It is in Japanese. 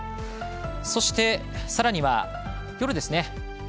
そして、さらには夜ですね。